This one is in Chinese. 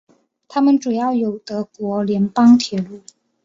它们主要由德国联邦铁路。